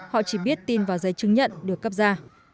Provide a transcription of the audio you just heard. họ chỉ biết tin vào giấy chứng nhận được cấp ra